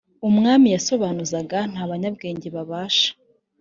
Umwami yasobanuzaga nta banyabwenge babasha